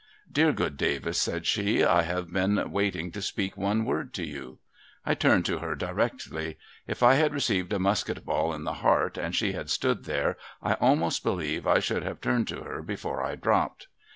' Dear good Davis,' said she, ' I have been waiting to speak one word to vou.' I turned to her directly. If I had received a musket ball in the heart, and she had stood there, I almost believe I should have turned to her before I dropped.